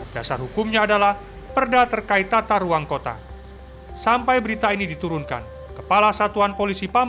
dasar hukumnya adalah perda terkait tata ruang kota sampai berita ini diturunkan kepala satuan polisi pam